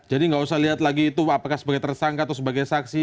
jadi tidak usah lihat lagi itu apakah sebagai tersangka atau sebagai saksi